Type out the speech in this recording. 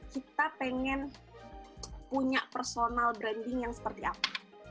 kita pengen punya personal branding yang seperti apa